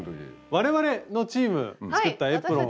我々のチーム作ったエプロン。